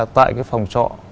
tại cái phòng trọ